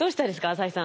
浅井さん。